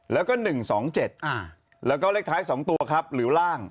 แล้วก็๑๒๗แล้วก็เลขท้าย๒ตัวครับหรือล่าง